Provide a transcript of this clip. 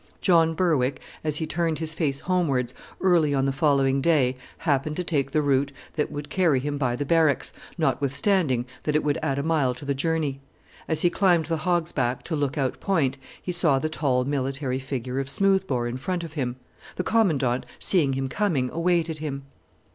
John Berwick, as he turned his face homewards early on the following day, happened to take the route that would carry him by the Barracks, notwithstanding that it would add a mile to the journey. As he climbed the hog's back to Lookout Point he saw the tall military figure of Smoothbore in front of him. The Commandant, seeing him coming, awaited him.